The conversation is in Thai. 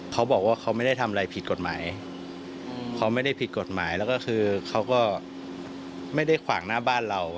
เขาบอกว่าเขาไม่ได้ทำอะไรผิดกฎหมายเขาไม่ได้ผิดกฎหมายแล้วก็คือเขาก็ไม่ได้ขวางหน้าบ้านเรา